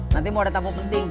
nanti mau ada tamu penting